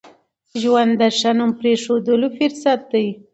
ژوند د ښو نوم پرېښوولو فرصت دی.